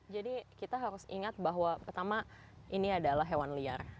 jadi kita harus ingat bahwa pertama ini adalah hewan liar